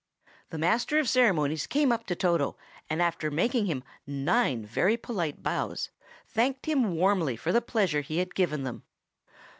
The master of ceremonies came up to Toto, and after making him nine very polite bows, thanked him warmly for the pleasure he had given them.